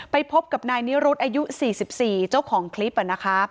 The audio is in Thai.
ไปพบกับนายนิรุธอายุ๔๔เจ้าของคลิปนะคะ